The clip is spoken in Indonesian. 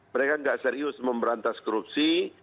mereka nggak serius memberantas korupsi